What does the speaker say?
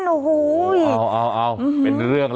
ใจเย็นนะคะใจเย็น